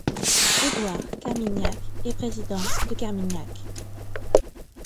Édouard Carmignac est Président de Carmignac.